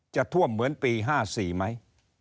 จะท่วมเหมือนปี๕๔ไหม